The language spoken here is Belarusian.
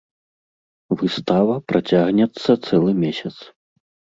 Выстава працягнецца цэлы месяц.